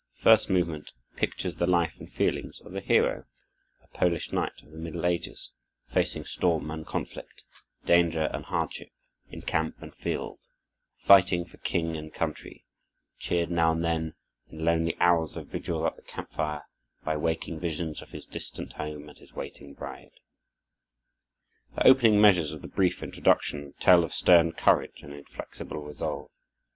The first movement pictures the life and feelings of the hero, a Polish knight of the middle ages, facing storm and conflict, danger and hardship, in camp and field, fighting for king and country, cheered now and then, in lonely hours of vigil at the camp fire, by waking visions of his distant home and his waiting bride. The opening measures of the brief introduction tell of stern courage and inflexible resolve.